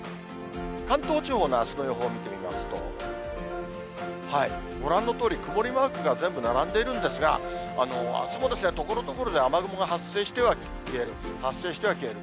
関東地方の雨の予報を見てみますと、ご覧のとおり、曇りマークが全部並んでいるんですが、あすもところどころで雨雲が発生しては消える、発生しては消える。